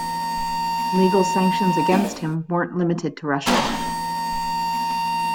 Legal sanctions against him weren't limited to Russia.